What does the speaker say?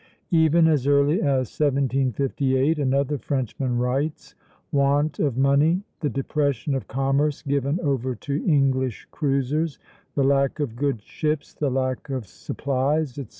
" Even as early as 1758, another Frenchman writes, "want of money, the depression of commerce given over to English cruisers, the lack of good ships, the lack of supplies, etc.